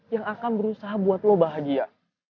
yang akan berusaha buat lo bahagia